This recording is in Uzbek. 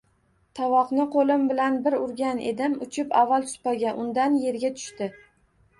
Tovoqni qo‘lim bilan bir urgan edim, uchib avval supaga, undan yerga tushdi.